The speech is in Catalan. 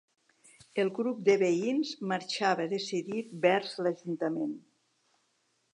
El grup de veïns marxava decidit vers l'ajuntament.